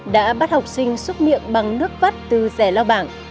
đã bắt học sinh xúc miệng bằng nước vắt từ rẻ lao bảng